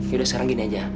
yaudah sekarang gini aja